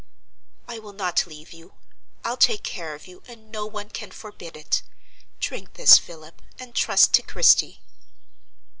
"I will not leave you: I'll take care of you, and no one can forbid it. Drink this, Philip, and trust to Christie."